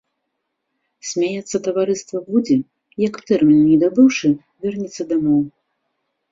Смяяцца таварыства будзе, як, тэрміну не дабыўшы, вернецца дамоў.